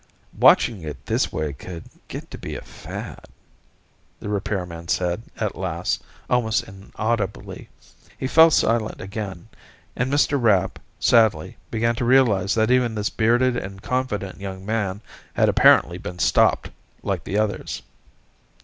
"Watching it this way could get to be a fad," the repairman said, at last, almost inaudibly. He fell silent again, and Mr. Rapp, sadly, began to realize that even this bearded and confident young man had apparently been stopped, like the others.